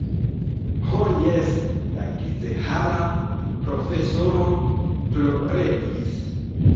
Ho jes, la grizhara profesoro ploregis.